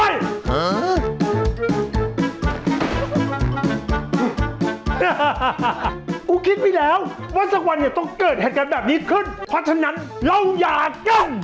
กูคิดไว้แล้วว่าสักวันเนี่ยต้องเกิดเหตุการณ์แบบนี้ขึ้นเพราะฉะนั้นเราอย่าจ้อง